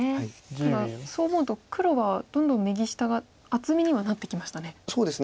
ただそう思うと黒はどんどん右下が厚みにはなってきましたね。